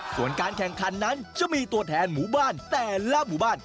ส่วนการแข่งขันนั้นจะมีตัวแทนหมู่บ้านแต่ละหมู่บ้าน